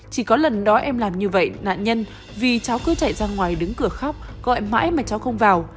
chỉ có lần đó em làm như vậy nạn nhân vì cháu cứ chạy ra ngoài đứng cửa khóc gọi mãi mà cháu không vào